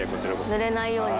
ぬれないように。